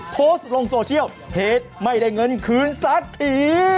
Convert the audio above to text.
โพสต์ลงโซเชียลเพจไม่ได้เงินคืนสักที